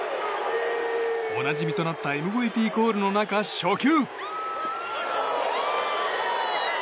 おなじみとなったＭＶＰコールの中、初球。